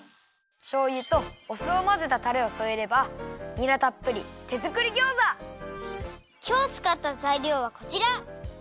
しょうゆとお酢をまぜたタレをそえればにらたっぷりきょうつかったざいりょうはこちら！